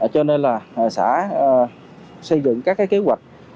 cho nên là xã xây dựng các kế hoạch